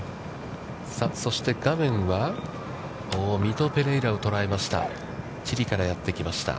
そして、画面はミト・ペレイラを捉えました。